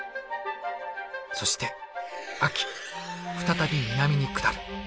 そして秋再び南に下る。